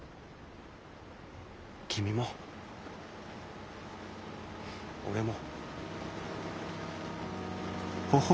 君も俺も。